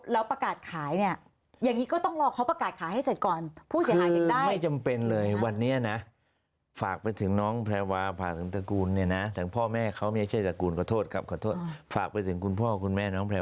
แล้วประกาศขายเนี่ยอย่างนี้ก็ต้องรอเขาประกาศขายให้เสร็จก่อน